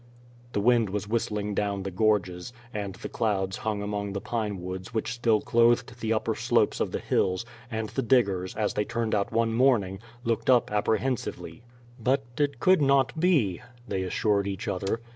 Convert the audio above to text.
The wind was whistling down the gorges, and the clouds hung among the pine woods which still clothed the upper slopes of the hills, and the diggers, as they turned out one morning, looked up apprehensively. "But it could not be," they assured each other.